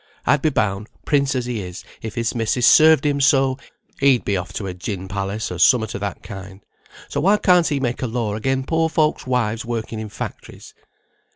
I'd be bound, prince as he is, if his missis served him so, he'd be off to a gin palace, or summut o' that kind. So why can't he make a law again poor folks' wives working in factories?"